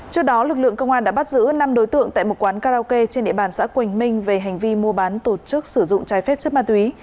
trước đó lực lượng công an đã bắt giữ năm đối tượng tại một quán karaoke trên địa bàn xã quỳnh minh về hành vi mua bán tổ chức sử dụng trái phép chất ma túy